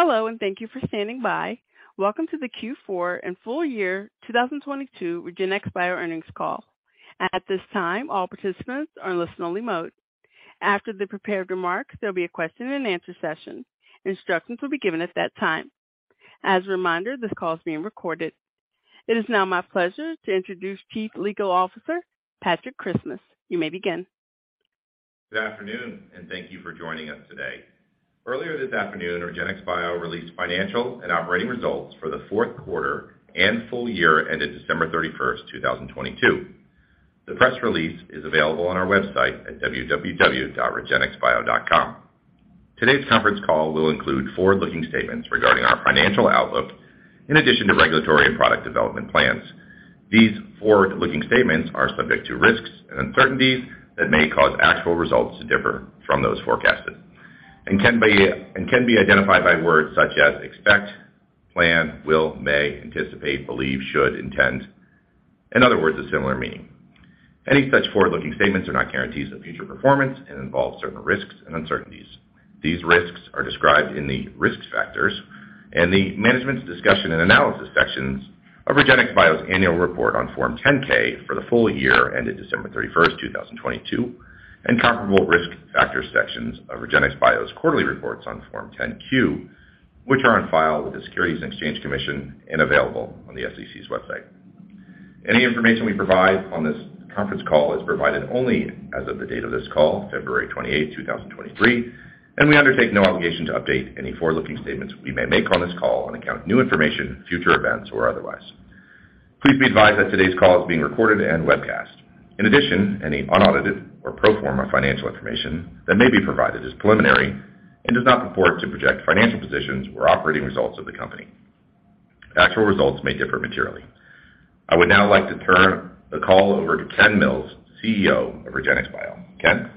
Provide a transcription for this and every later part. Hello, thank you for standing by. Welcome to the Q4 and full year 2022 REGENXBIO earnings call. At this time, all participants are in listen-only mode. After the prepared remarks, there'll be a question-and-answer session. Instructions will be given at that time. As a reminder, this call is being recorded. It is now my pleasure to introduce Chief Legal Officer, Patrick Christmas. You may begin. Good afternoon, thank you for joining us today. Earlier this afternoon, REGENXBIO released financial and operating results for the fourth quarter and full year ended December 31st, 2022. The press release is available on our website at www.regenxbio.com. Today's conference call will include forward-looking statements regarding our financial outlook in addition to regulatory and product development plans. These forward-looking statements are subject to risks and uncertainties that may cause actual results to differ from those forecasted and can be identified by words such as expect, plan, will, may, anticipate, believe, should, intend, and other words of similar meaning. Any such forward-looking statements are not guarantees of future performance and involve certain risks and uncertainties. These risks are described in the Risk Factors and the Management's Discussion and Analysis sections of REGENXBIO's annual report on Form 10-K for the full year ended December 31st, 2022, and comparable Risk Factors sections of REGENXBIO's quarterly reports on Form 10-Q, which are on file with the Securities and Exchange Commission and available on the SEC's website. Any information we provide on this conference call is provided only as of the date of this call, February 28, 2023, and we undertake no obligation to update any forward-looking statements we may make on this call on account of new information, future events, or otherwise. Please be advised that today's call is being recorded and webcast. In addition, any unaudited or pro forma financial information that may be provided is preliminary and does not purport to project financial positions or operating results of the company. Actual results may differ materially. I would now like to turn the call over to Ken Mills, CEO of REGENXBIO. Ken?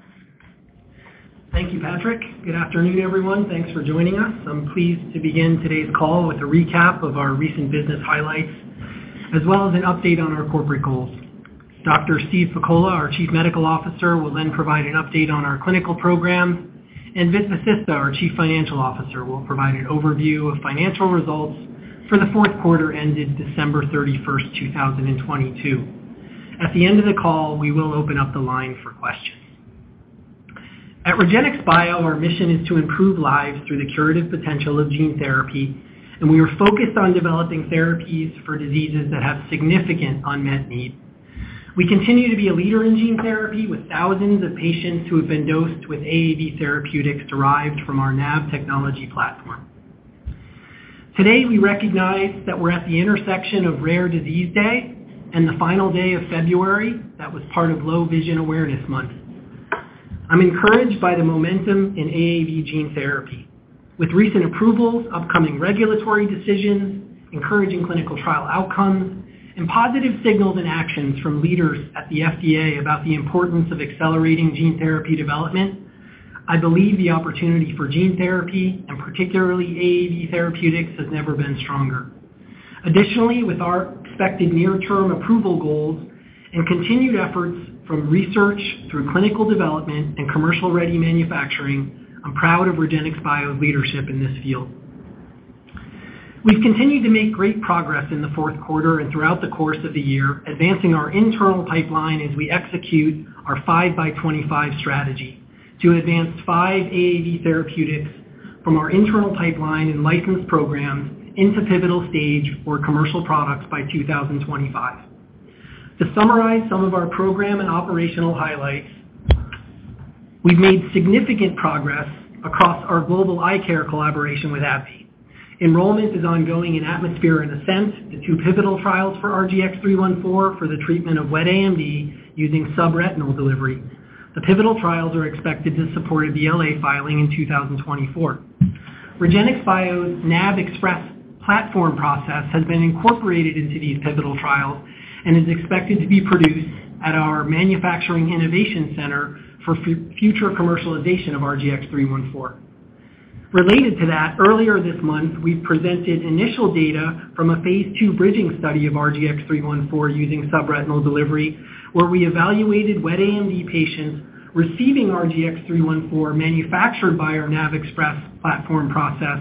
Thank you, Patrick. Good afternoon, everyone. Thanks for joining us. I'm pleased to begin today's call with a recap of our recent business highlights, as well as an update on our corporate goals. Dr. Steve Pakola, our Chief Medical Officer, will then provide an update on our clinical program, and Vit Vasista, our Chief Financial Officer, will provide an overview of financial results for the 4th quarter ended December 31, 2022. At the end of the call, we will open up the line for questions. At REGENXBIO, our mission is to improve lives through the curative potential of gene therapy, and we are focused on developing therapies for diseases that have significant unmet need. We continue to be a leader in gene therapy with thousands of patients who have been dosed with AAV therapeutics derived from our NAV Technology Platform. Today, we recognize that we're at the intersection of Rare Disease Day and the final day of February that was part of Low Vision Awareness Month. I'm encouraged by the momentum in AAV gene therapy. With recent approvals, upcoming regulatory decisions, encouraging clinical trial outcomes, and positive signals and actions from leaders at the FDA about the importance of accelerating gene therapy development, I believe the opportunity for gene therapy, and particularly AAV therapeutics, has never been stronger. With our expected near-term approval goals and continued efforts from research through clinical development and commercial-ready manufacturing, I'm proud of REGENXBIO's leadership in this field. We've continued to make great progress in the fourth quarter and throughout the course of the year, advancing our internal pipeline as we execute our '5x'25' strategy to advance five AAV therapeutics from our internal pipeline and licensed programs into pivotal stage or commercial products by 2025. To summarize some of our program and operational highlights, we've made significant progress across our global eye care collaboration with AbbVie. Enrollment is ongoing in ATMOSPHERE and ASCENT, the two pivotal trials for RGX-314 for the treatment of wet AMD using subretinal delivery. The pivotal trials are expected to support a BLA filing in 2024. REGENXBIO's NAVXpress platform process has been incorporated into these pivotal trials and is expected to be produced at our Manufacturing Innovation Center for future commercialization of RGX-314. Related to that, earlier this month, we presented initial data from a phase II bridging study of RGX-314 using subretinal delivery, where we evaluated wet AMD patients receiving RGX-314 manufactured by our NAVXpress platform process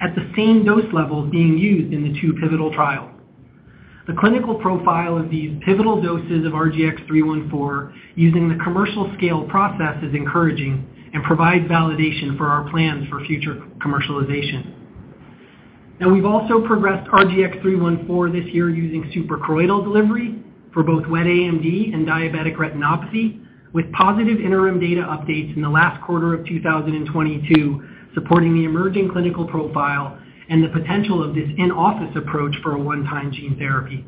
at the same dose levels being used in the two pivotal trials. The clinical profile of these pivotal doses of RGX-314 using the commercial scale process is encouraging and provides validation for our plans for future commercialization. We've also progressed RGX-314 this year using suprachoroidal delivery for both wet AMD and diabetic retinopathy, with positive interim data updates in the last quarter of 2022 supporting the emerging clinical profile and the potential of this in-office approach for a one-time gene therapy.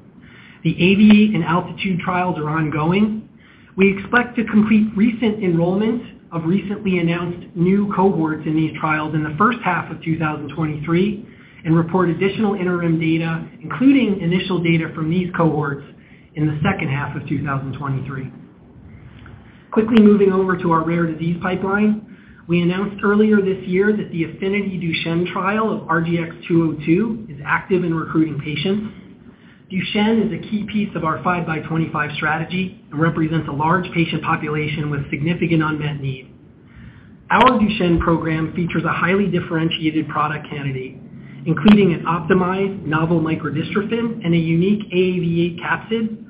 The AAVIATE and ALTITUDE trials are ongoing. We expect to complete recent enrollment of recently announced new cohorts in these trials in the first half of 2023 and report additional interim data, including initial data from these cohorts, in the second half of 2023. Quickly moving over to our rare disease pipeline. We announced earlier this year that the AFFINITY DUCHENNE trial of RGX-202 is active in recruiting patients. Duchenne is a key piece of our '5x'25' strategy and represents a large patient population with significant unmet need. Our Duchenne program features a highly differentiated product candidate, including an optimized novel microdystrophin and a unique AAV8 capsid,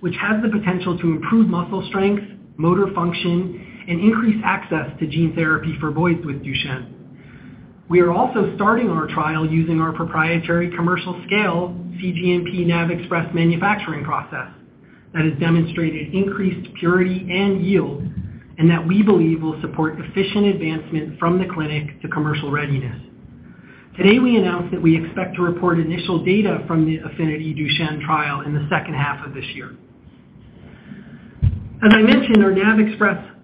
which has the potential to improve muscle strength, motor function, and increase access to gene therapy for boys with Duchenne. We are also starting our trial using our proprietary commercial scale cGMP NAVXpress manufacturing process that has demonstrated increased purity and yield and that we believe will support efficient advancement from the clinic to commercial readiness. Today, we announced that we expect to report initial data from the AFFINITY DUCHENNE trial in the second half of this year. As I mentioned, our NAVXpress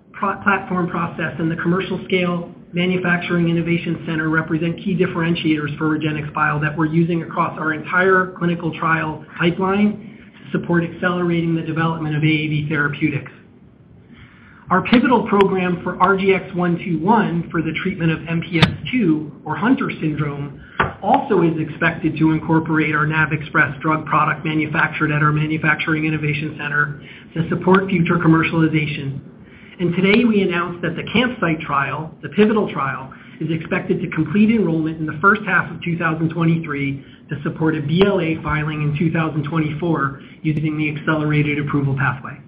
platform process and the commercial scale Manufacturing Innovation Center represent key differentiators for REGENXBIO that we're using across our entire clinical trial pipeline to support accelerating the development of AAV therapeutics. Our pivotal program for RGX-121 for the treatment of MPS II or Hunter syndrome also is expected to incorporate our NAVXpress drug product manufactured at our Manufacturing Innovation Center to support future commercialization. Today, we announced that the CAMPSIITE trial, the pivotal trial, is expected to complete enrollment in the first half of 2023 to support a BLA filing in 2024 using the accelerated approval pathway.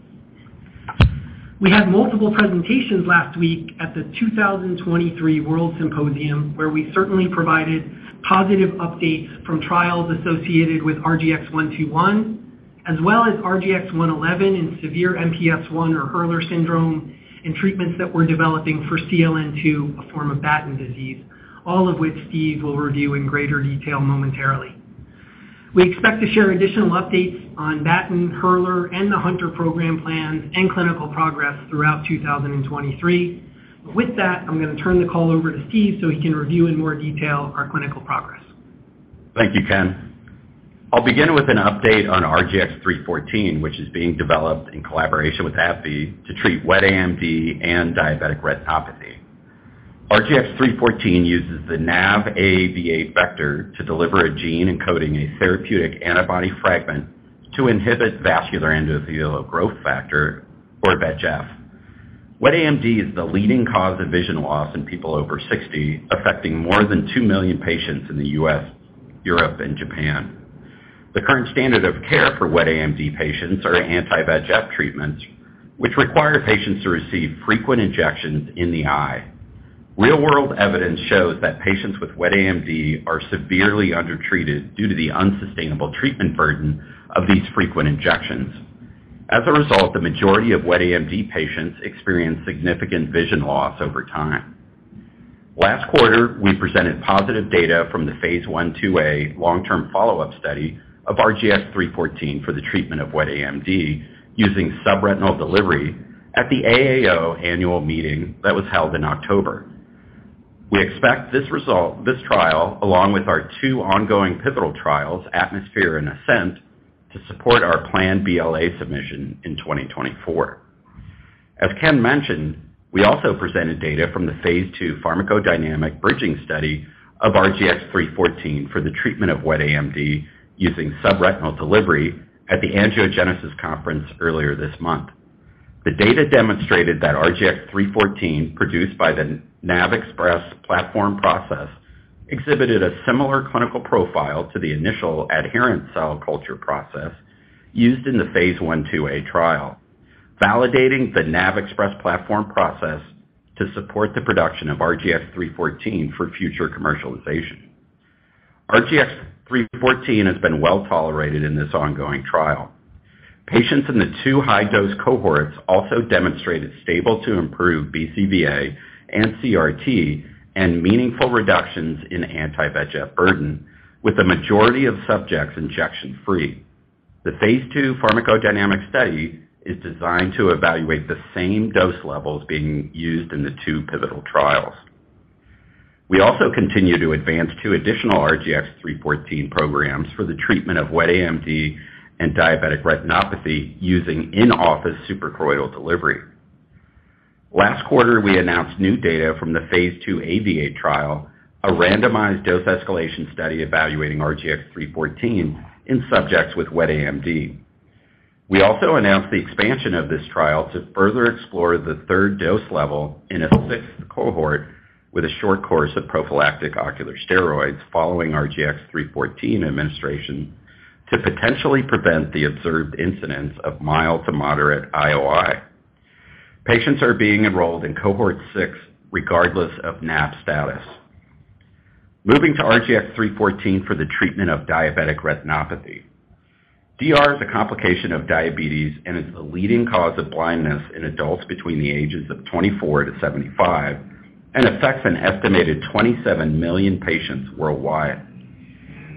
We had multiple presentations last week at the 2023 WORLDSymposium, where we certainly provided positive updates from trials associated with RGX-121 as well as RGX-111 in severe MPS I or Hurler syndrome and treatments that we're developing for CLN2, a form of Batten disease, all of which Steve will review in greater detail momentarily. We expect to share additional updates on Batten, Hurler, and the Hunter program plans and clinical progress throughout 2023. With that, I'm gonna turn the call over to Steve so he can review in more detail our clinical progress. Thank you, Ken. I'll begin with an update on RGX-314, which is being developed in collaboration with AbbVie to treat wet AMD and diabetic retinopathy. RGX-314 uses the NAV AAV8 vector to deliver a gene encoding a therapeutic antibody fragment to inhibit vascular endothelial growth factor or VEGF. Wet AMD is the leading cause of vision loss in people over 60, affecting more than 2 million patients in the U.S., Europe, and Japan. The current standard of care for wet AMD patients are anti-VEGF treatments, which require patients to receive frequent injections in the eye. Real-world evidence shows that patients with wet AMD are severely undertreated due to the unsustainable treatment burden of these frequent injections. The majority of wet AMD patients experience significant vision loss over time. Last quarter, we presented positive data from the phase I/II-A long-term follow-up study of RGX-314 for the treatment of wet AMD using subretinal delivery at the AAO Annual Meeting that was held in October. We expect this trial, along with our two ongoing pivotal trials, ATMOSPHERE and ASCENT, to support our planned BLA submission in 2024. As Ken mentioned, we also presented data from the phase II pharmacodynamic bridging study of RGX-314 for the treatment of wet AMD using subretinal delivery at the Angiogenesis conference earlier this month. The data demonstrated that RGX-314, produced by the NAVXpress platform process, exhibited a similar clinical profile to the initial adherent cell culture process used in the phase I/II-A trial, validating the NAVXpress platform process to support the production of RGX-314 for future commercialization. RGX-314 has been well-tolerated in this ongoing trial. Patients in the two high-dose cohorts also demonstrated stable to improved BCVA and CRT and meaningful reductions in anti-VEGF burden, with the majority of subjects injection-free. The phase II pharmacodynamic study is designed to evaluate the same dose levels being used in the two pivotal trials. We also continue to advance two additional RGX-314 programs for the treatment of wet AMD and diabetic retinopathy using in-office suprachoroidal delivery. Last quarter, we announced new data from the phase II AAVIATE trial, a randomized dose escalation study evaluating RGX-314 in subjects with wet AMD. We also announced the expansion of this trial to further explore the third dose level in a sixth cohort with a short course of prophylactic ocular steroids following RGX-314 administration to potentially prevent the observed incidence of mild to moderate IOI. Patients are being enrolled in cohort 6 regardless of NAV status. Moving to RGX-314 for the treatment of diabetic retinopathy. DR is a complication of diabetes and is the leading cause of blindness in adults between the ages of 24-75 and affects an estimated 27 million patients worldwide.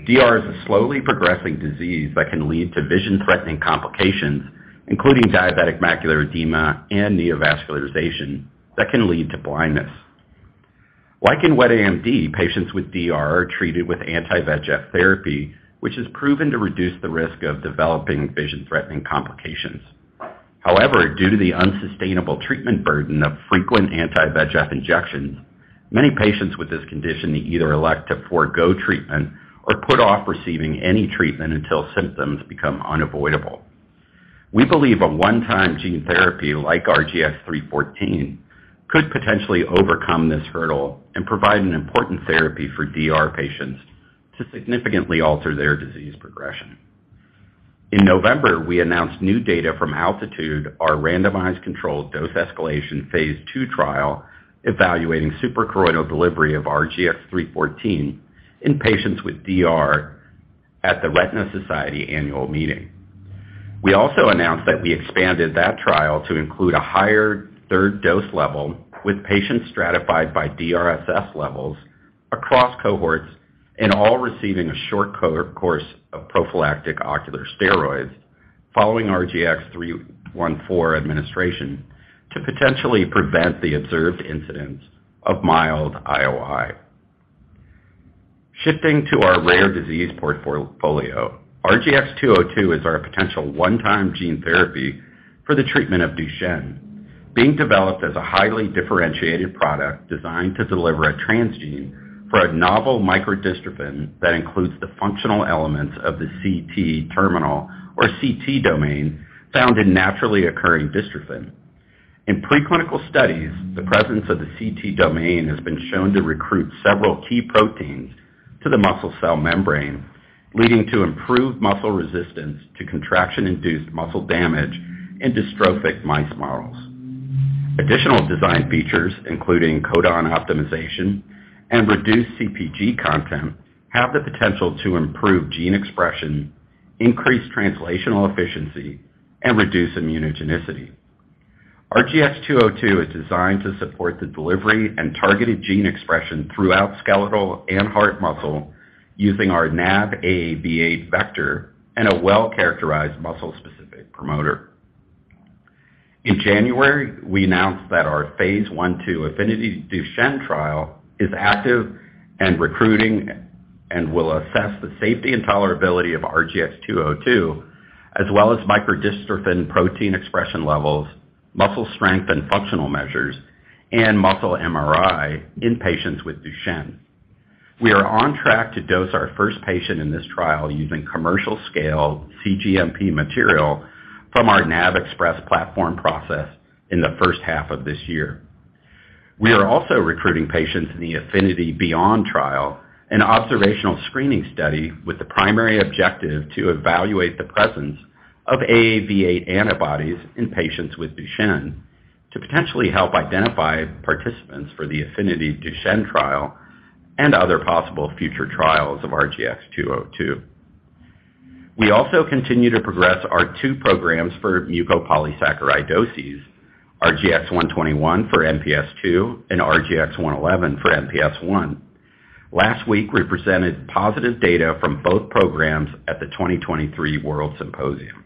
DR is a slowly progressing disease that can lead to vision-threatening complications, including diabetic macular edema and neovascularization that can lead to blindness. Like in wet AMD, patients with DR are treated with anti-VEGF therapy, which is proven to reduce the risk of developing vision-threatening complications. However, due to the unsustainable treatment burden of frequent anti-VEGF injections, many patients with this condition either elect to forego treatment or put off receiving any treatment until symptoms become unavoidable. We believe a one-time gene therapy like RGX-314 could potentially overcome this hurdle and provide an important therapy for DR patients to significantly alter their disease progression. In November, we announced new data from ALTITUDE, our randomized controlled dose escalation phase II trial evaluating suprachoroidal delivery of RGX-314 in patients with DR at the Retina Society Annual Meeting. We also announced that we expanded that trial to include a higher third dose level with patients stratified by DRSS levels across cohorts and all receiving a short co-course of prophylactic ocular steroids following RGX-314 administration to potentially prevent the observed incidence of mild IOI. Shifting to our rare disease portfolio, RGX-202 is our potential one-time gene therapy for the treatment of Duchenne, being developed as a highly differentiated product designed to deliver a transgene for a novel microdystrophin that includes the functional elements of the CT terminal or CT domain found in naturally occurring dystrophin. In preclinical studies, the presence of the CT domain has been shown to recruit several key proteins to the muscle cell membrane, leading to improved muscle resistance to contraction-induced muscle damage in dystrophic mice models. Additional design features, including codon optimization and reduced CpG content, have the potential to improve gene expression, increase translational efficiency, and reduce immunogenicity. RGX-202 is designed to support the delivery and targeted gene expression throughout skeletal and heart muscle using our NAV AAV8 vector and a well-characterized muscle-specific promoter. In January, we announced that our phase I/II AFFINITY DUCHENNE trial is active and recruiting and will assess the safety and tolerability of RGX-202 as well as microdystrophin protein expression levels, muscle strength and functional measures, and muscle MRI in patients with Duchenne. We are on track to dose our first patient in this trial using commercial-scale cGMP material from our NAVXpress platform process in the first half of this year. We are also recruiting patients in the AFFINITY BEYOND trial, an observational screening study with the primary objective to evaluate the presence of AAV8 antibodies in patients with Duchenne to potentially help identify participants for the AFFINITY DUCHENNE trial and other possible future trials of RGX-202. We also continue to progress our two programs for mucopolysaccharidoses, RGX-121 for MPS II and RGX-111 for MPS I. Last week, we presented positive data from both programs at the 2023 WORLDSymposium.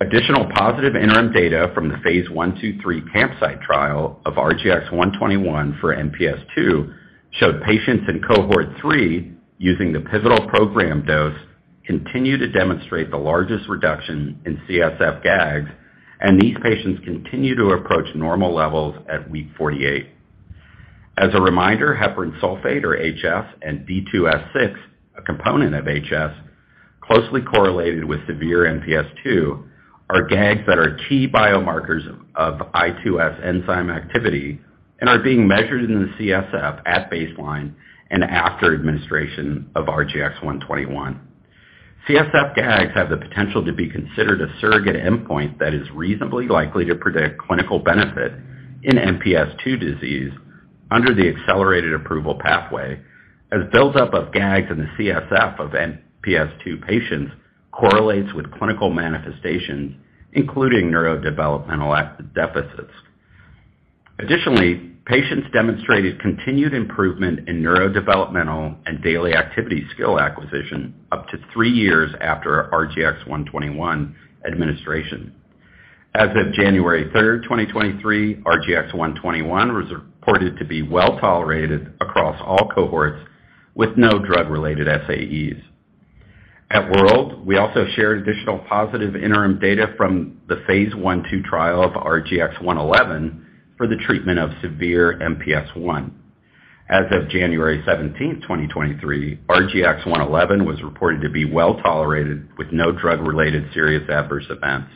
Additional positive interim data from the phase I/II/III CAMPSIITE trial of RGX-121 for MPS II showed patients in cohort 3 using the pivotal program dose continue to demonstrate the largest reduction in CSF GAGs, and these patients continue to approach normal levels at week 48. As a reminder, heparan sulfate or HS and D2S6, a component of HS closely correlated with severe MPS II are GAGs that are key biomarkers of I2S enzyme activity and are being measured in the CSF at baseline and after administration of RGX-121. CSF GAGs have the potential to be considered a surrogate endpoint that is reasonably likely to predict clinical benefit in MPS II disease under the accelerated approval pathway as buildup of GAGs in the CSF of MPS II patients correlates with clinical manifestations, including neurodevelopmental deficits. Additionally, patients demonstrated continued improvement in neurodevelopmental and daily activity skill acquisition up to three years after RGX-121 administration. As of January 3rd, 2023, RGX-121 was reported to be well-tolerated across all cohorts with no drug-related SAEs. At WORLDSymposium, we also shared additional positive interim data from the phase I/II trial of RGX-111 for the treatment of severe MPS I. As of January 17th, 2023, RGX-111 was reported to be well-tolerated with no drug-related serious adverse events.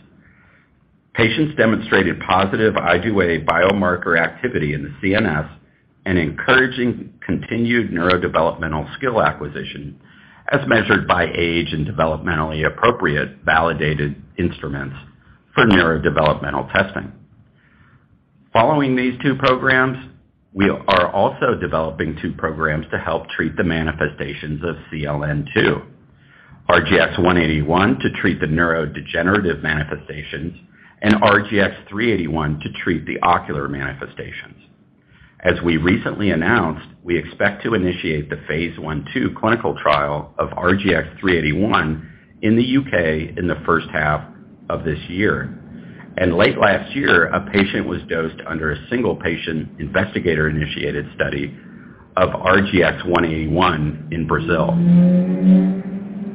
Patients demonstrated positive IDUA biomarker activity in the CNS and encouraging continued neurodevelopmental skill acquisition as measured by age and developmentally appropriate validated instruments for neurodevelopmental testing. Following these two programs, we are also developing two programs to help treat the manifestations of CLN2, RGX-181 to treat the neurodegenerative manifestations and RGX-381 to treat the ocular manifestations. As we recently announced, we expect to initiate the phase I/II clinical trial of RGX-381 in the U.K. in the first half of this year. Late last year, a patient was dosed under a single patient investigator-initiated study of RGX-181 in Brazil.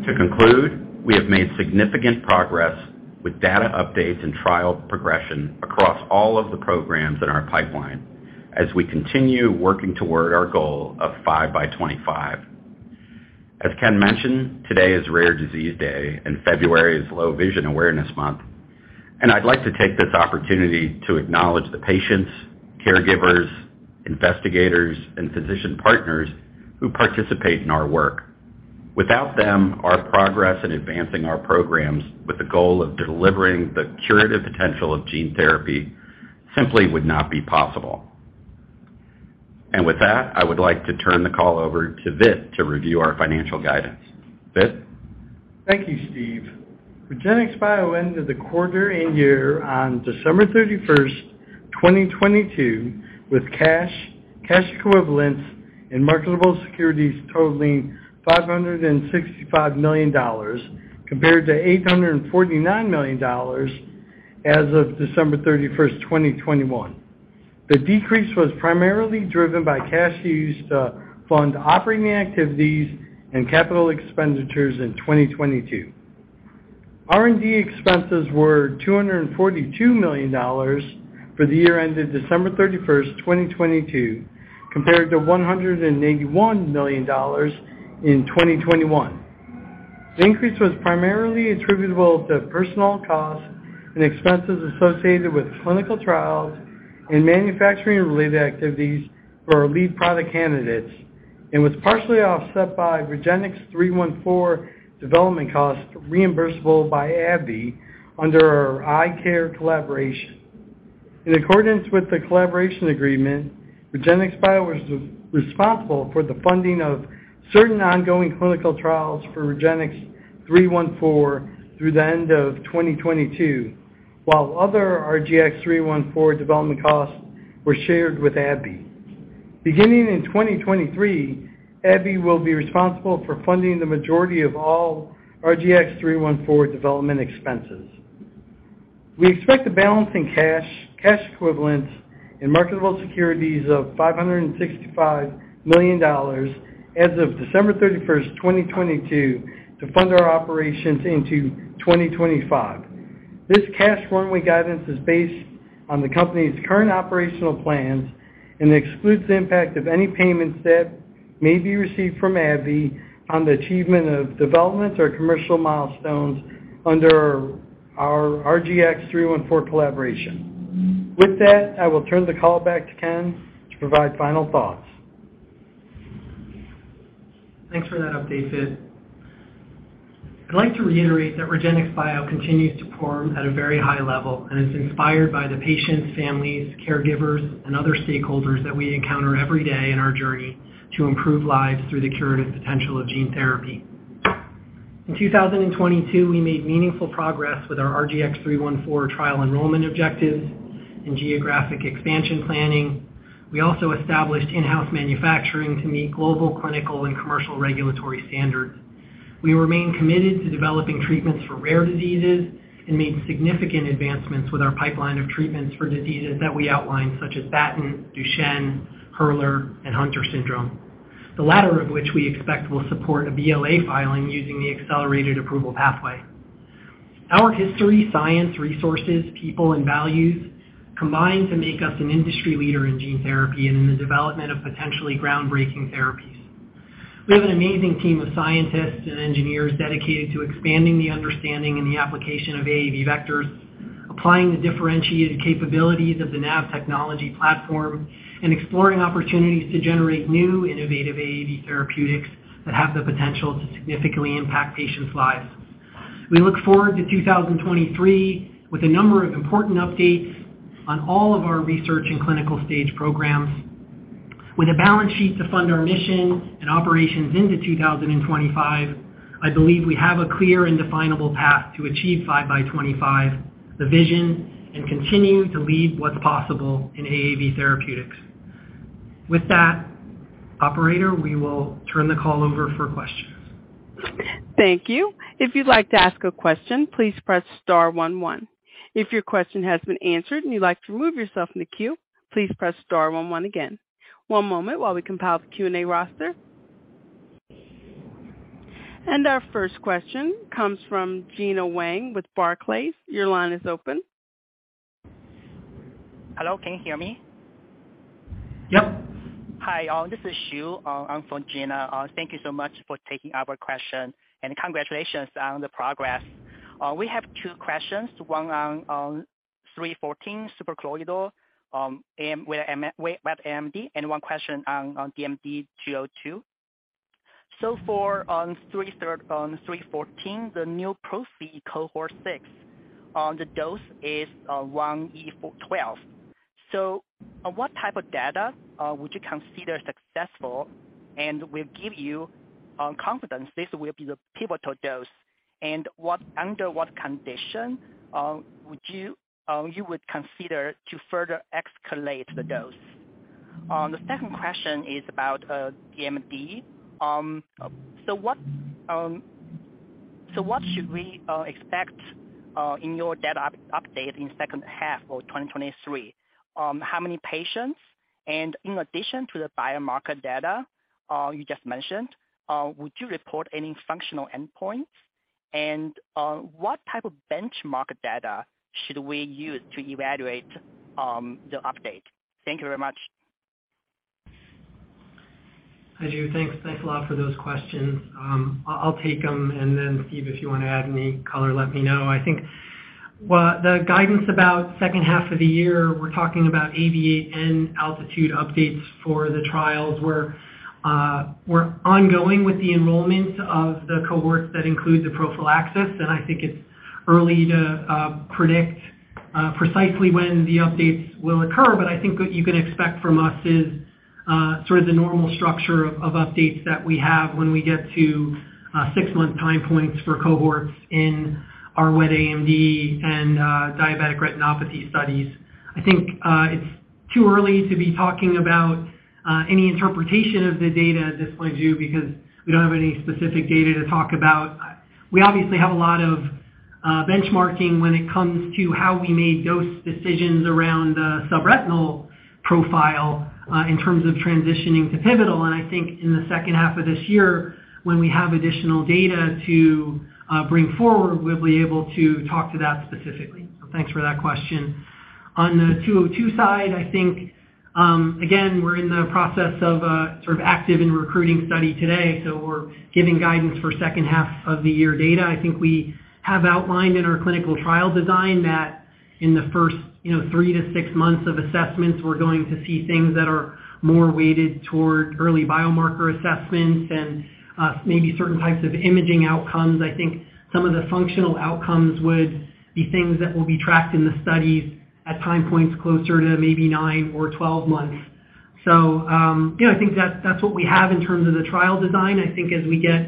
To conclude, we have made significant progress with data updates and trial progression across all of the programs in our pipeline as we continue working toward our goal of '5x'25'. As Ken mentioned, today is Rare Disease Day and February is Low Vision Awareness Month. I'd like to take this opportunity to acknowledge the patients, caregivers, investigators, and physician partners who participate in our work. Without them, our progress in advancing our programs with the goal of delivering the curative potential of gene therapy simply would not be possible. With that, I would like to turn the call over to Vit to review our financial guidance. Vit? Thank you, Steve. REGENXBIO ended the quarter and year on December 31st, 2022, with cash equivalents, and marketable securities totaling $565 million compared to $849 million as of December 31st, 2021. The decrease was primarily driven by cash used to fund operating activities and capital expenditures in 2022. R&D expenses were $242 million for the year ended December 31st, 2022, compared to $181 million in 2021. The increase was primarily attributable to personnel costs and expenses associated with clinical trials and manufacturing-related activities for our lead product candidates and was partially offset by RGX-314 development costs reimbursable by AbbVie under our eye care collaboration. In accordance with the collaboration agreement, REGENXBIO was responsible for the funding of certain ongoing clinical trials for RGX-314 through the end of 2022, while other RGX-314 development costs were shared with AbbVie. Beginning in 2023, AbbVie will be responsible for funding the majority of all RGX-314 development expenses. We expect the balance in cash equivalents, and marketable securities of $565 million as of December 31st, 2022 to fund our operations into 2025. This cash runway guidance is based on the company's current operational plans and excludes the impact of any payments that may be received from AbbVie on the achievement of development or commercial milestones under our RGX-314 collaboration. With that, I will turn the call back to Ken to provide final thoughts. Thanks for that update, Vit. I'd like to reiterate that REGENXBIO continues to perform at a very high level and is inspired by the patients, families, caregivers, and other stakeholders that we encounter every day in our journey to improve lives through the curative potential of gene therapy. In 2022, we made meaningful progress with our RGX-314 trial enrollment objectives and geographic expansion planning. We also established in-house manufacturing to meet global clinical and commercial regulatory standards. We remain committed to developing treatments for rare diseases and made significant advancements with our pipeline of treatments for diseases that we outlined, such as Batten, Duchenne, Hurler, and Hunter syndrome, the latter of which we expect will support a BLA filing using the accelerated approval pathway. Our history, science, resources, people and values combine to make us an industry leader in gene therapy and in the development of potentially groundbreaking therapies. We have an amazing team of scientists and engineers dedicated to expanding the understanding and the application of AAV vectors, applying the differentiated capabilities of the NAV Technology Platform, and exploring opportunities to generate new innovative AAV therapeutics that have the potential to significantly impact patients' lives. We look forward to 2023 with a number of important updates on all of our research and clinical stage programs. With a balance sheet to fund our mission and operations into 2025, I believe we have a clear and definable path to achieve '5x'25', the vision, and continue to lead what's possible in AAV therapeutics. With that, operator, we will turn the call over for questions. Thank you. If you'd like to ask a question, please press star one one. If your question has been answered and you'd like to remove yourself from the queue, please press star one one again. One moment while we compile the Q&A roster. Our first question comes from Gena Wang with Barclays. Your line is open. Hello, can you hear me? Yep. Hi, all. This is Xiu. I'm from Gena. Thank you so much for taking our question, congratulations on the progress. We have two questions, one on RGX-314 suprachoroidal wet AMD, one question on DMD RGX-202. For on RGX-314, the new proposed cohort 6 on the dose is 1e12. On what type of data would you consider successful and will give you confidence this will be the pivotal dose? Under what condition would you consider to further escalate the dose? The second question is about DMD. What should we expect in your data update in second half of 2023? How many patients? In addition to the biomarker data, you just mentioned, would you report any functional endpoints? What type of benchmark data should we use to evaluate, the update? Thank you very much. Hi, Xiu. Thanks a lot for those questions. I'll take them, then Steve, if you wanna add any color, let me know. I think what the guidance about second half of the year, we're talking about AAVIATE and ALTITUDE updates for the trials. We're ongoing with the enrollment of the cohorts that include the prophylaxis, and I think it's early to predict precisely when the updates will occur. I think what you can expect from us is sort of the normal structure of updates that we have when we get to six-month time points for cohorts in our wet AMD and diabetic retinopathy studies. I think it's too early to be talking about any interpretation of the data at this point, Xiu, because we don't have any specific data to talk about. We obviously have a lot of benchmarking when it comes to how we made dose decisions around the subretinal profile in terms of transitioning to pivotal. I think in the second half of this year, when we have additional data to bring forward, we'll be able to talk to that specifically. Thanks for that question. On the RGX-202 side, I think again, we're in the process of a sort of active and recruiting study today, we're giving guidance for second half of the year data. I think we have outlined in our clinical trial design that in the first, you know, three to six months of assessments, we're going to see things that are more weighted toward early biomarker assessments and maybe certain types of imaging outcomes. I think some of the functional outcomes would be things that will be tracked in the studies at time points closer to maybe nine or 12 months. You know, I think that's what we have in terms of the trial design. I think as we get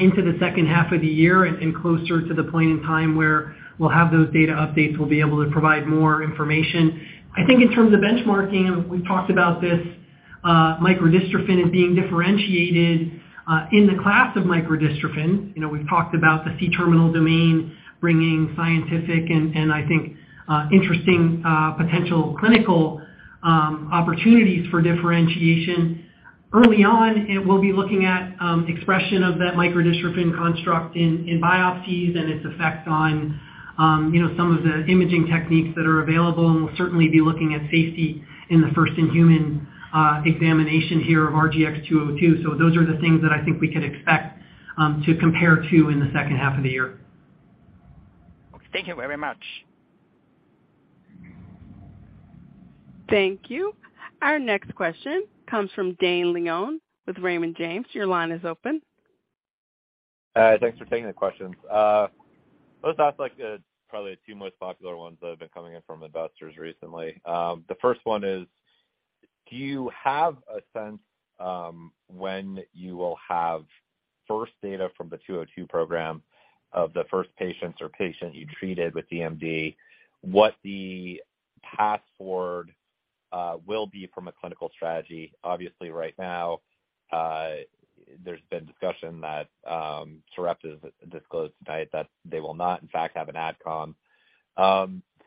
into the second half of the year and closer to the point in time where we'll have those data updates, we'll be able to provide more information. I think in terms of benchmarking, we've talked about this microdystrophin as being differentiated in the class of microdystrophin. You know, we've talked about the C-Terminal domain bringing scientific and I think interesting potential clinical opportunities for differentiation. Early on, it will be looking at expression of that microdystrophin construct in biopsies and its effect on, you know, some of the imaging techniques that are available, and we'll certainly be looking at safety in the first in-human examination here of RGX-202. Those are the things that I think we could expect to compare to in the second half of the year. Okay. Thank you very much. Thank you. Our next question comes from Dane Leone with Raymond James. Your line is open. Thanks for taking the questions. Let's ask, like, probably the two most popular ones that have been coming in from investors recently. The first one is, do you have a sense when you will have first data from the RGX-202 program of the first patients or patient you treated with DMD? What the path forward will be from a clinical strategy? Obviously right now, there's been discussion that Sarepta's disclosed tonight that they will not, in fact, have an AdCom.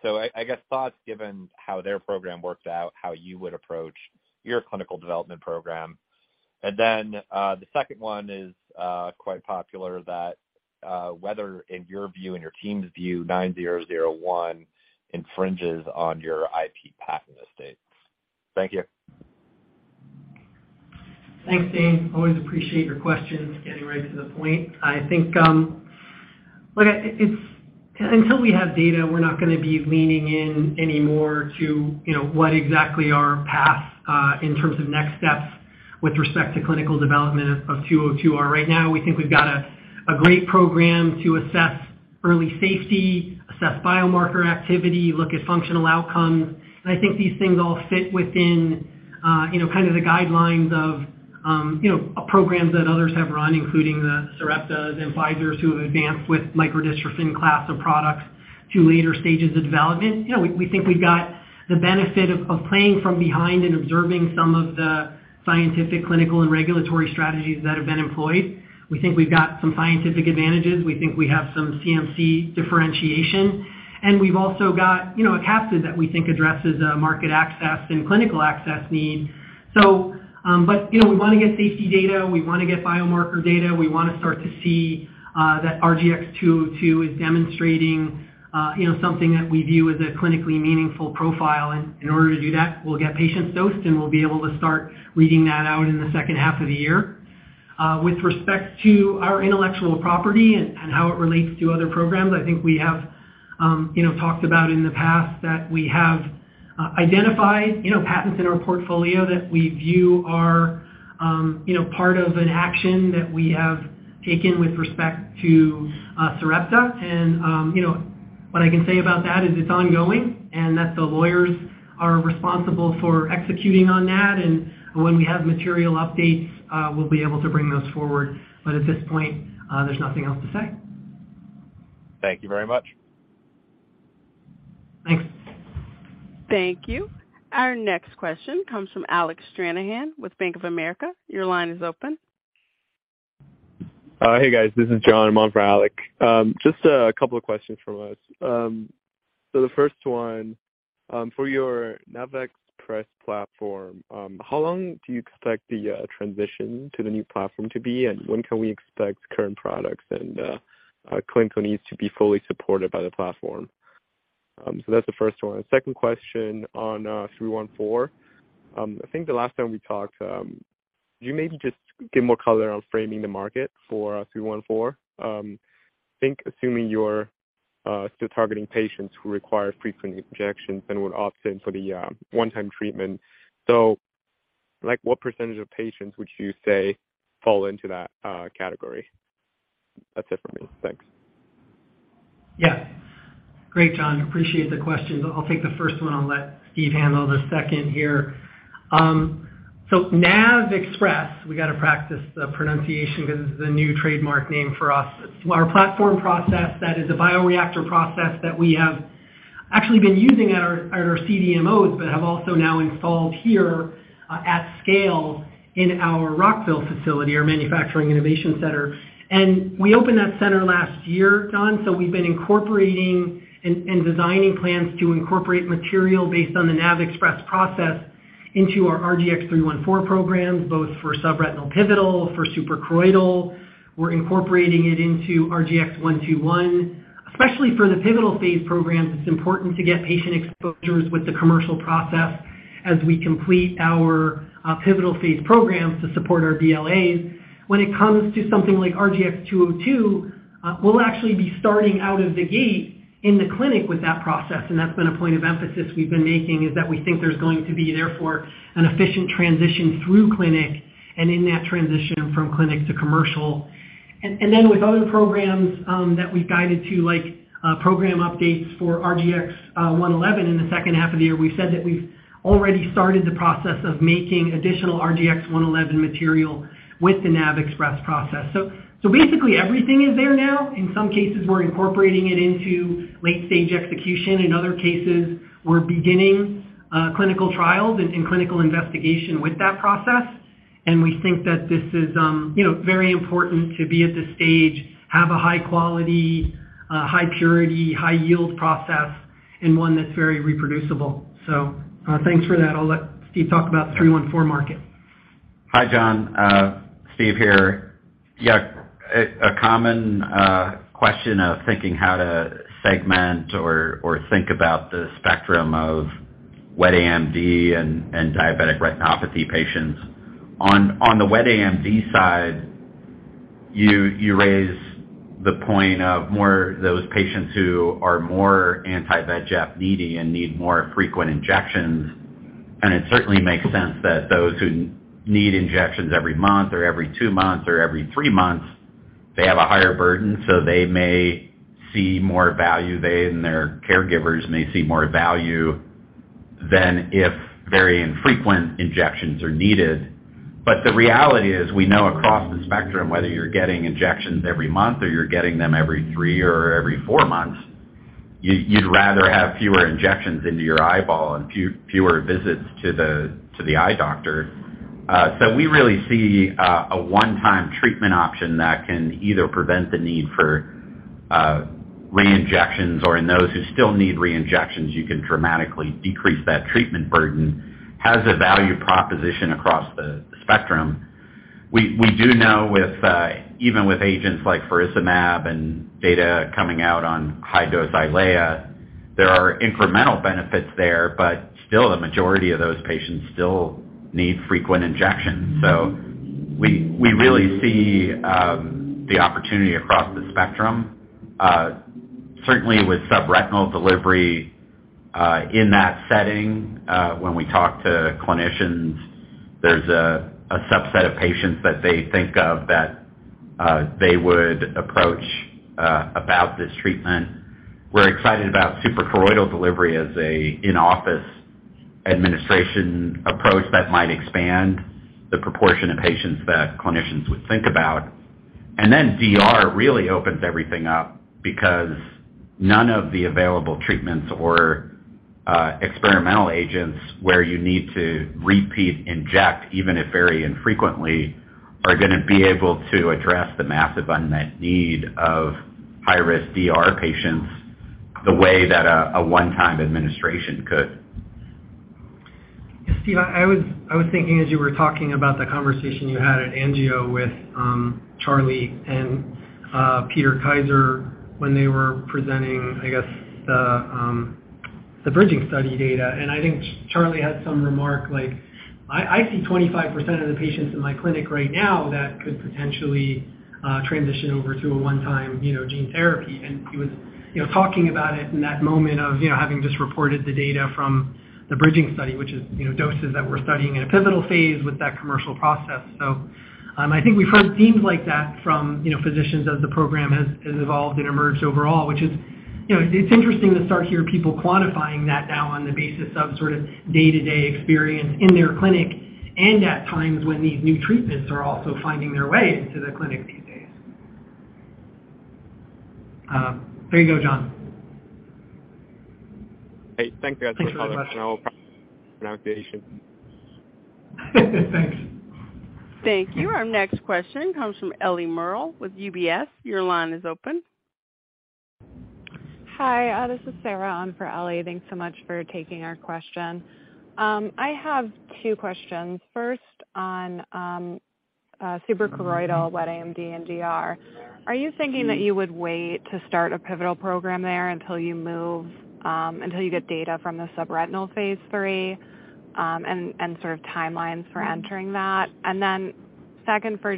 I guess, thoughts given how their program worked out, how you would approach your clinical development program. Then, the second one is quite popular, that whether in your view and your team's view, SRP-9001 infringes on your IP patent estates. Thank you. Thanks, Dane. Always appreciate your questions, getting right to the point. I think, look, until we have data, we're not gonna be leaning in any more to, you know, what exactly our path in terms of next steps with respect to clinical development of RGX-202 are right now. We think we've got a great program to assess early safety, assess biomarker activity, look at functional outcomes. I think these things all fit within, you know, kind of the guidelines of, you know, programs that others have run, including the Sarepta's and Pfizer's who have advanced with microdystrophin class of products to later stages of development. You know, we think we've got the benefit of playing from behind and observing some of the scientific, clinical, and regulatory strategies that have been employed. We think we've got some scientific advantages. We think we have some CMC differentiation. We've also got, you know, a capsid that we think addresses a market access and clinical access need. But, you know, we wanna get safety data, we wanna get biomarker data, we wanna start to see that RGX-202 is demonstrating, you know, something that we view as a clinically meaningful profile. In order to do that, we'll get patients dosed, and we'll be able to start reading that out in the second half of the year. With respect to our intellectual property and how it relates to other programs, I think we have, you know, talked about in the past that we have identified, you know, patents in our portfolio that we view are, you know, part of an action that we have taken with respect to Sarepta. You know, what I can say about that is it's ongoing and that the lawyers are responsible for executing on that. When we have material updates, we'll be able to bring those forward. At this point, there's nothing else to say. Thank you very much. Thanks. Thank you. Our next question comes from Alec Stranahan with Bank of America. Your line is open. Hey, guys. This is John. I'm on for Alec. Just a couple of questions from us. The first one, for your NAVXpress platform, how long do you expect the transition to the new platform to be, and when can we expect current products and clinical needs to be fully supported by the platform? That's the first one. Second question on RGX-314. I think the last time we talked, you maybe just give more color on framing the market for RGX-314. Think assuming you're still targeting patients who require frequent injections and would opt in for the one-time treatment. Like, what % of patients would you say fall into that category? That's it for me. Thanks. Great, John. Appreciate the questions. I'll take the first one. I'll let Steve handle the second here. So NAVXpress, we got to practice the pronunciation because this is a new trademark name for us. It's our platform process that is a bioreactor process that we have actually been using at our CDMOs, but have also now installed here at scale in our Rockville facility, our Manufacturing Innovation Center. We opened that center last year, John, so we've been incorporating and designing plans to incorporate material based on the NAVXpress process into our RGX-314 programs, both for subretinal pivotal, for suprachoroidal. We're incorporating it into RGX-121. Especially for the pivotal phase programs, it's important to get patient exposures with the commercial process as we complete our pivotal phase programs to support our BLAs. When it comes to something like RGX-202, we'll actually be starting out of the gate in the clinic with that process. That's been a point of emphasis we've been making, is that we think there's going to be therefore an efficient transition through clinic and in that transition from clinic to commercial. With other programs, that we've guided to like program updates for RGX-111 in the second half of the year, we said that we've already started the process of making additional RGX-111 material with the NAVXpress process. Basically everything is there now. In some cases, we're incorporating it into late-stage execution. In other cases, we're beginning clinical trials and clinical investigation with that process. We think that this is, you know, very important to be at this stage, have a high quality, high purity, high yield process, and one that's very reproducible. Thanks for that. I'll let Steve talk about RGX-314 market. Hi, John. Steve here. A common question of thinking how to segment or think about the spectrum of wet AMD and diabetic retinopathy patients. On the wet AMD side, you raise the point of more those patients who are more anti-VEGF needy and need more frequent injections. It certainly makes sense that those who need injections every month or every two months or every three months, they have a higher burden, so they may see more value. They and their caregivers may see more value than if very infrequent injections are needed. The reality is, we know across the spectrum, whether you're getting injections every month or you're getting them every three or every four months, you'd rather have fewer injections into your eyeball and fewer visits to the eye doctor. We really see a one-time treatment option that can either prevent the need for re-injections or in those who still need re-injections, you can dramatically decrease that treatment burden, has a value proposition across the spectrum. We, we do know with even with agents like faricimab and data coming out on high-dose Eylea, there are incremental benefits there, but still the majority of those patients still need frequent injections. We really see the opportunity across the spectrum. Certainly with subretinal delivery in that setting, when we talk to clinicians, there's a subset of patients that they think of that they would approach about this treatment. We're excited about suprachoroidal delivery as an in-office administration approach that might expand the proportion of patients that clinicians would think about. DR really opens everything up because none of the available treatments or experimental agents where you need to repeat inject, even if very infrequently, are gonna be able to address the massive unmet need of high-risk DR patients the way that a one-time administration could. Steve, I was thinking as you were talking about the conversation you had at Angio with Charlie and Peter Kaiser when they were presenting, I guess, the bridging study data. I think Charlie had some remark like, "I see 25% of the patients in my clinic right now that could potentially transition over to a one-time, you know, gene therapy." He was, you know, talking about it in that moment of, you know, having just reported the data from the bridging study, which is, you know, doses that we're studying in a pivotal phase with that commercial process. I think we've heard themes like that from, you know, physicians as the program has evolved and emerged overall, which is, you know, it's interesting to start to hear people quantifying that now on the basis of sort of day-to-day experience in their clinic and at times when these new treatments are also finding their way into the clinic. There you go, John. Hey, thanks very much. Thanks. Thank you. Our next question comes from Ellie Merle with UBS. Your line is open. Hi, this is Sarah on for Ellie. Thanks so much for taking our question. I have two questions. First on suprachoroidal wet AMD and DR. Are you thinking that you would wait to start a pivotal program there until you move until you get data from the subretinal phase III, and sort of timelines for entering that? Second, for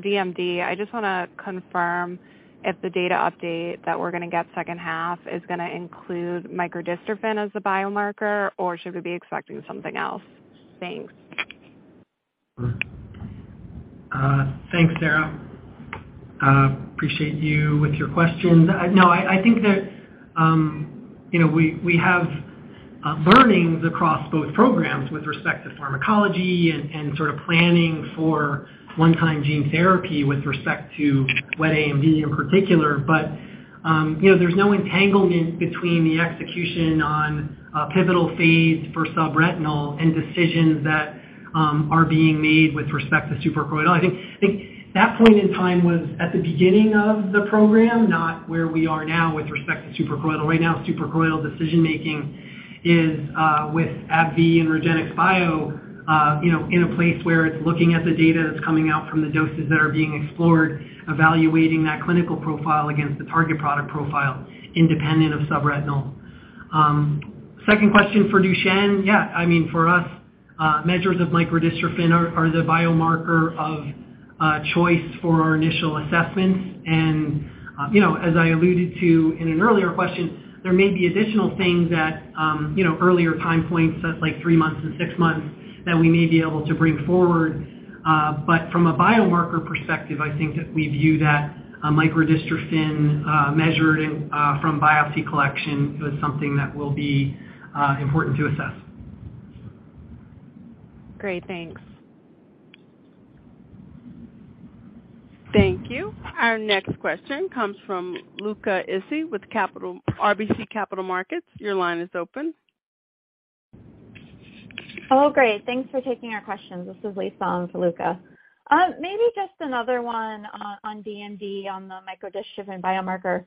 DMD, I just wanna confirm if the data update that we're gonna get second half is gonna include microdystrophin as a biomarker, or should we be expecting something else? Thanks. Thanks, Sarah. Appreciate you with your questions. No, I think that, you know, we have learnings across both programs with respect to pharmacology and sort of planning for one-time gene therapy with respect to wet AMD in particular. You know, there's no entanglement between the execution on pivotal phase for subretinal and decisions that are being made with respect to suprachoroidal. I think that point in time was at the beginning of the program, not where we are now with respect to suprachoroidal. Right now, suprachoroidal decision-making is with AbbVie and REGENXBIO, you know, in a place where it's looking at the data that's coming out from the doses that are being explored, evaluating that clinical profile against the target product profile independent of subretinal. Second question for Duchenne. Yeah. I mean, for us, measures of microdystrophin are the biomarker of choice for our initial assessments. You know, as I alluded to in an earlier question, there may be additional things that, you know, earlier time points, so it's like three months and six months that we may be able to bring forward. From a biomarker perspective, I think that we view that a microdystrophin, measured in, from biopsy collection is something that will be important to assess. Great. Thanks. Thank you. Our next question comes from Luca Issi with RBC Capital Markets. Your line is open. Great. Thanks for taking our questions. This is Lisa on for Luca. maybe just another one on DMD on the microdystrophin biomarker.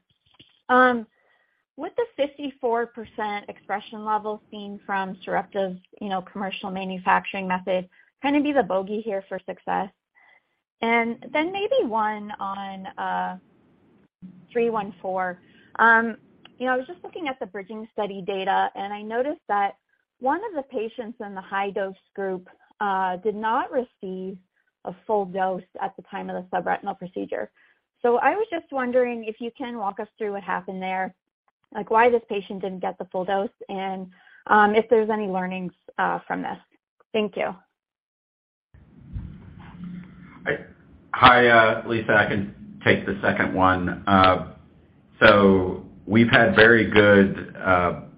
Would the 54% expression level seen from Sarepta's, you know, commercial manufacturing method kinda be the bogey here for success? Maybe one on RGX-314, you know, I was just looking at the bridging study data, and I noticed that one of the patients in the high-dose group did not receive a full dose at the time of the subretinal procedure. I was just wondering if you can walk us through what happened there, like why this patient didn't get the full dose and if there's any learnings from this. Thank you. Hi, Lisa. I can take the second one. We've had very good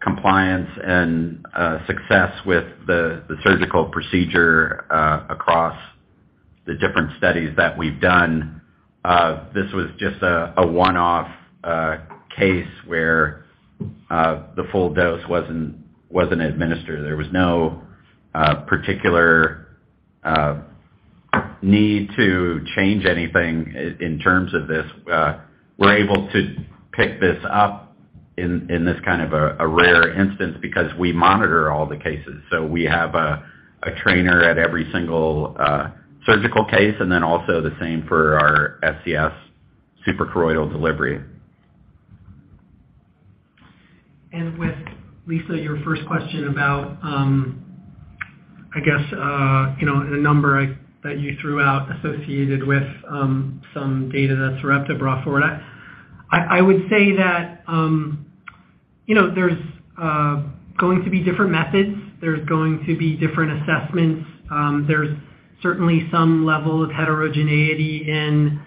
compliance and success with the surgical procedure across the different studies that we've done. This was just a one-off case where the full dose wasn't administered. There was no particular need to change anything in terms of this. We're able to pick this up in this kind of a rare instance because we monitor all the cases. We have a trainer at every single surgical case, and then also the same for our SCS suprachoroidal delivery. With Lisa, your first question about, I guess, you know, the number that you threw out associated with, some data that Sarepta brought forward. I would say that, you know, there's going to be different methods. There's going to be different assessments. There's certainly some level of heterogeneity in,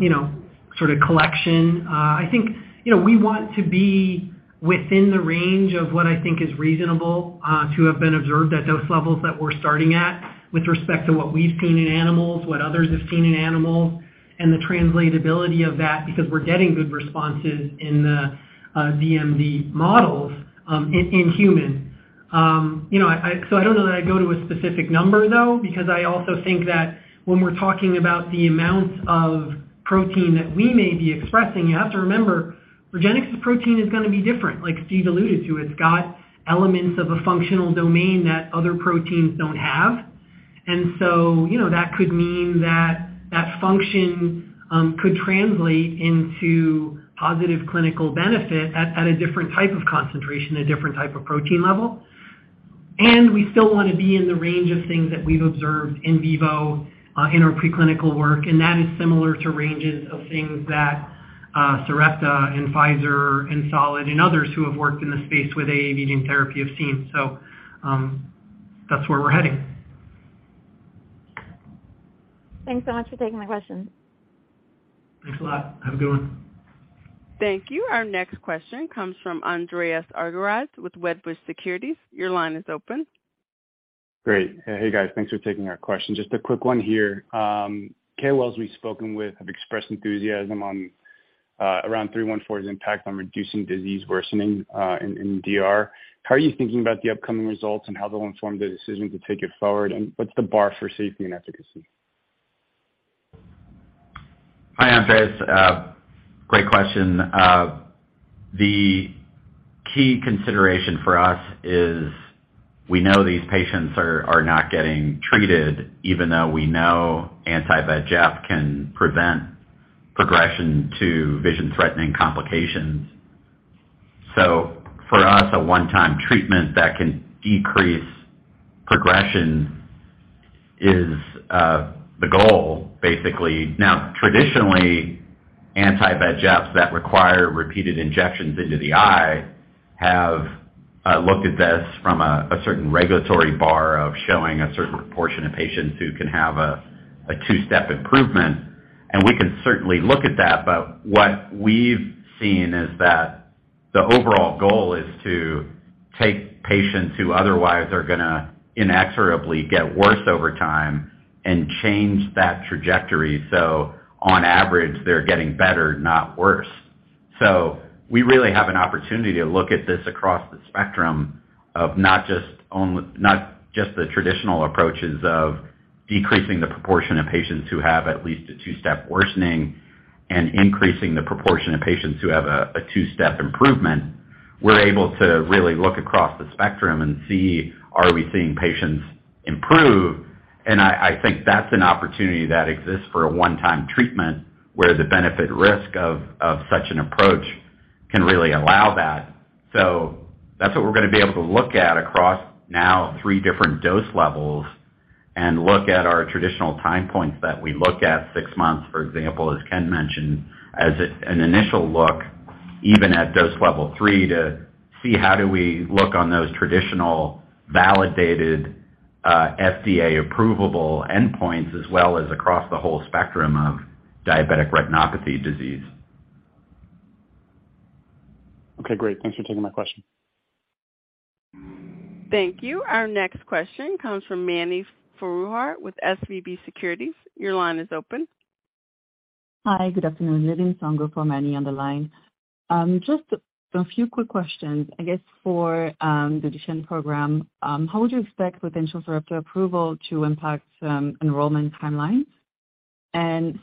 you know, sort of collection. I think, you know, we want to be within the range of what I think is reasonable, to have been observed at dose levels that we're starting at with respect to what we've seen in animals, what others have seen in animals, and the translatability of that because we're getting good responses in the DMD models, in human. You know, I don't know that I'd go to a specific number, though, because I also think that when we're talking about the amount of protein that we may be expressing, you have to remember REGENXBIO's protein is gonna be different, like Steve alluded to. It's got elements of a functional domain that other proteins don't have. You know, that could mean that that function could translate into positive clinical benefit at a different type of concentration, a different type of protein level. We still wanna be in the range of things that we've observed in vivo in our preclinical work, and that is similar to ranges of things that Sarepta and Pfizer and Solid and others who have worked in the space with AAV gene therapy have seen. That's where we're heading. Thanks so much for taking my questions. Thanks a lot. Have a good one. Thank you. Our next question comes from Andreas Argyrides with Wedbush Securities. Your line is open. Great. Hey, guys. Thanks for taking our question. Just a quick one here. KOLs we've spoken with have expressed enthusiasm on around RGX-314's impact on reducing disease worsening in DR. How are you thinking about the upcoming results and how they'll inform the decision to take it forward? What's the bar for safety and efficacy? Hi, Andreas. Great question. The key consideration for us is we know these patients are not getting treated even though we know anti-VEGF can prevent progression to vision-threatening complications. For us, a one-time treatment that can decrease progression is the goal basically. Now, traditionally, anti-VEGFs that require repeated injections into the eye have looked at this from a certain regulatory bar of showing a certain portion of patients who can have a two-step improvement, and we can certainly look at that. What we've seen is that the overall goal is to take patients who otherwise are gonna inexorably get worse over time and change that trajectory. On average, they're getting better, not worse. We really have an opportunity to look at this across the spectrum of not just the traditional approaches of decreasing the proportion of patients who have at least a two-step worsening and increasing the proportion of patients who have a two-step improvement. We're able to really look across the spectrum and see are we seeing patients improve. I think that's an opportunity that exists for a one-time treatment where the benefit risk of such an approach can really allow that. That's what we're gonna be able to look at across now three different dose levels and look at our traditional time points that we look at six months, for example, as Ken mentioned, as it's an initial look even at dose level 3 to see how do we look on those traditional validated, FDA approvable endpoints, as well as across the whole spectrum of diabetic retinopathy disease. Okay, great. Thanks for taking my question. Thank you. Our next question comes from Mani Foroohar with SVB Securities. Your line is open. Hi. Good afternoon. [inaudible] for Mani on the line. Just a few quick questions, I guess, for the Duchenne program. How would you expect potential for FDA approval to impact enrollment timelines?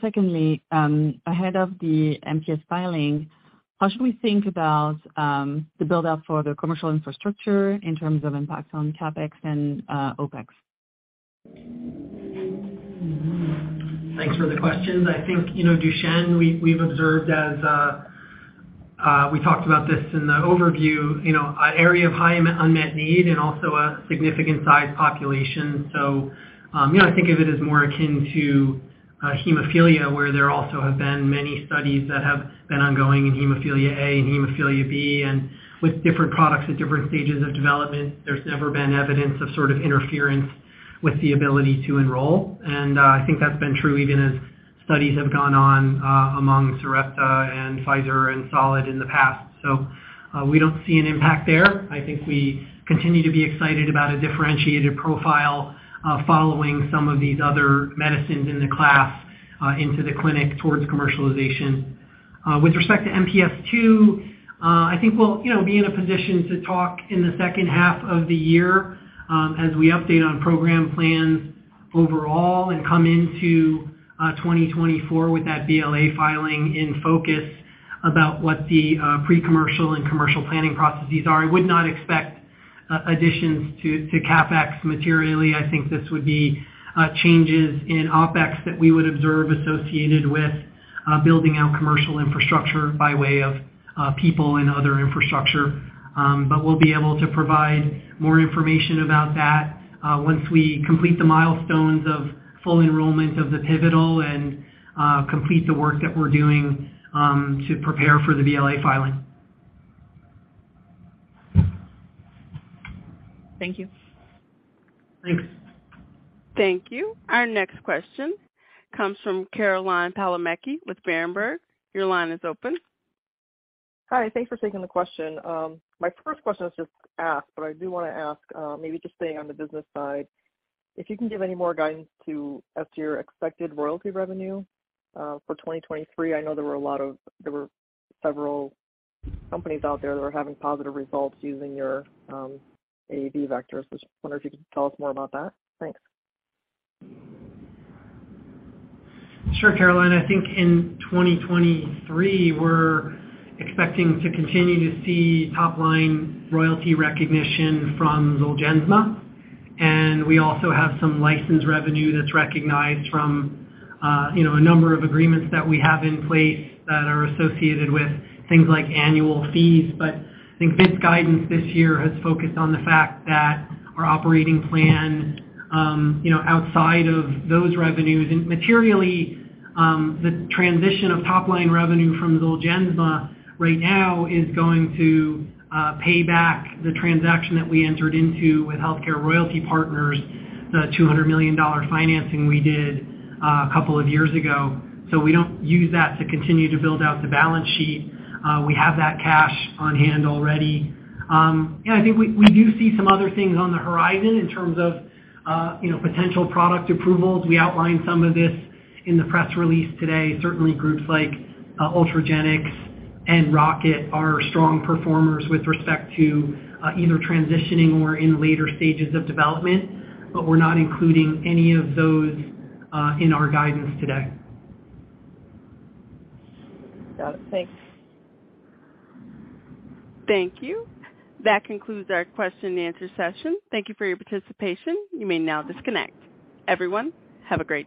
Secondly, ahead of the MPS filing, how should we think about the build-out for the commercial infrastructure in terms of impact on CapEx and OpEx? Thanks for the questions. I think, you know, Duchenne, we've observed as we talked about this in the overview, you know, an area of high unmet need and also a significant size population. Yeah, I think of it as more akin to hemophilia, where there also have been many studies that have been ongoing in hemophilia A and hemophilia B, and with different products at different stages of development, there's never been evidence of sort of interference with the ability to enroll. I think that's been true even as studies have gone on among Sarepta and Pfizer and Solid in the past. We don't see an impact there. I think we continue to be excited about a differentiated profile following some of these other medicines in the class into the clinic towards commercialization. With respect to MPS II, I think we'll, you know, be in a position to talk in the second half of the year, as we update on program plans overall and come into 2024 with that BLA filing in focus about what the pre-commercial and commercial planning processes are. I would not expect additions to CapEx materially. I think this would be changes in OpEx that we would observe associated with building out commercial infrastructure by way of people and other infrastructure. We'll be able to provide more information about that once we complete the milestones of full enrollment of the pivotal and complete the work that we're doing to prepare for the BLA filing. Thank you. Thanks. Thank you. Our next question comes from Caroline Palomeque with Berenberg. Your line is open. Hi. Thanks for taking the question. My first question was just asked, but I do wanna ask, maybe just staying on the business side, if you can give any more guidance as to your expected royalty revenue for 2023. I know there were several companies out there that were having positive results using your AAV vectors. Just wonder if you could tell us more about that. Thanks. Sure, Caroline. I think in 2023, we're expecting to continue to see top line royalty recognition from Zolgensma. We also have some license revenue that's recognized from, you know, a number of agreements that we have in place that are associated with things like annual fees. I think this guidance this year has focused on the fact that our operating plan, you know, outside of those revenues and materially, the transition of top line revenue from Zolgensma right now is going to pay back the transaction that we entered into with HealthCare Royalty Partners, the $200 million financing we did a couple of years ago. We don't use that to continue to build out the balance sheet. We have that cash on hand already. Yeah, I think we do see some other things on the horizon in terms of, you know, potential product approvals. We outlined some of this in the press release today. Certainly groups like Ultragenyx and Rocket are strong performers with respect to either transitioning or in later stages of development, but we're not including any of those in our guidance today. Got it. Thanks. Thank you. That concludes our question-and-answer session. Thank you for your participation. You may now disconnect. Everyone, have a great day.